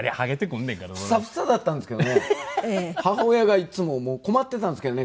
母親がいっつも困っていたんですけどね